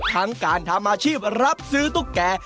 ทั้งการทำอาชีพรับซื้อตุ๊กแก่